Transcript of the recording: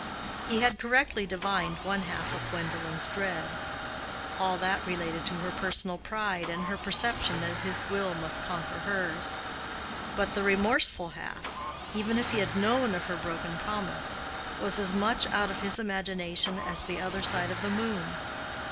He had correctly divined one half of Gwendolen's dread—all that related to her personal pride, and her perception that his will must conquer hers; but the remorseful half, even if he had known of her broken promise, was as much out of his imagination as the other side of the moon.